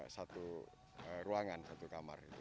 satu ruangan satu kamar